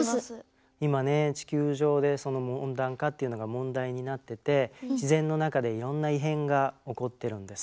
今ね地球上でその温暖化っていうのが問題になってて自然の中でいろんな異変が起こってるんです。